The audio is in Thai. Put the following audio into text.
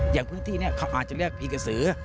อย่างพื้นที่นี้เขาอาจจะเรียกผีกระสือ